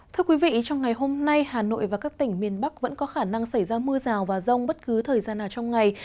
thưa quý vị trong ngày hôm nay hà nội và các tỉnh miền bắc vẫn có khả năng xảy ra mưa rào và rông bất cứ thời gian nào trong ngày